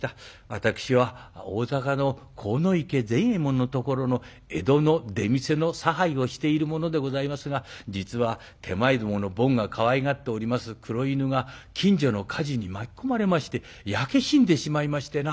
私は大坂の鴻池善右衛門のところの江戸の出店の差配をしている者でございますが実は手前どもの坊がかわいがっております黒犬が近所の火事に巻き込まれまして焼け死んでしまいましてな